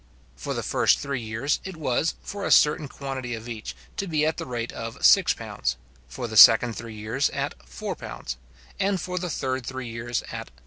For the first three years, it was, for a certain quantity of each, to be at the rate of £6; for the second three years at £4; and for the third three years at £2.